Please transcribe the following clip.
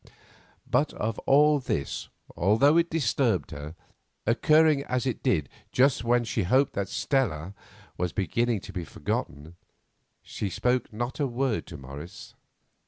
But of all this, although it disturbed her, occurring as it did just when she hoped that Stella was beginning to be forgotten, she spoke not a word to Morris.